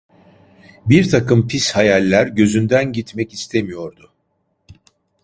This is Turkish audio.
Birtakım pis hayaller gözünden gitmek istemiyordu.